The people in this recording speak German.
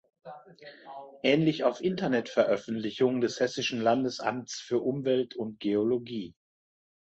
Ähnlich auf Internet-Veröffentlichungen des Hessischen Landesamts für Umwelt und Geologie.